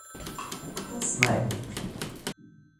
Pasmaidit!...